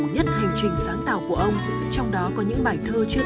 nhất hành trình sử thi